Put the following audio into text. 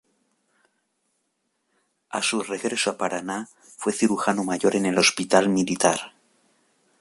A su regreso a Paraná fue cirujano mayor en el Hospital Militar.